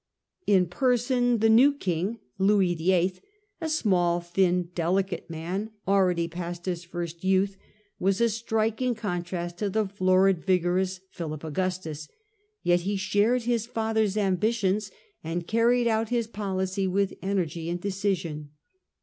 In person the new king, Louis VIII., a small, thin, Louis delicate man, already past his first youth, was a striking 1223 1226 contrast to the florid, vigorous Philip Augustus, yet he shared his father's ambitions and carried out his policy with energy and decision.